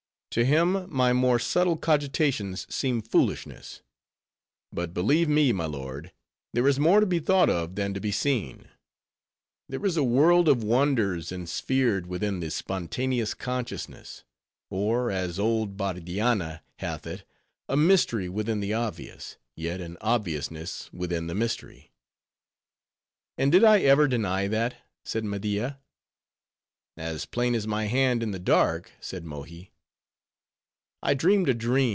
To him my more subtle cogitations seem foolishness. But believe me, my lord, there is more to be thought of than to be seen. There is a world of wonders insphered within the spontaneous consciousness; or, as old Bardianna hath it, a mystery within the obvious, yet an obviousness within the mystery." "And did I ever deny that?" said Media. "As plain as my hand in the dark," said Mohi.